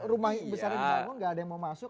rumah besar ini gak ada yang mau masuk